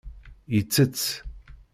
Yettett.